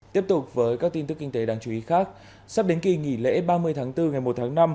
tiếp tục với các tin tức kinh tế đáng chú ý khác sắp đến kỳ nghỉ lễ ba mươi tháng bốn ngày một tháng năm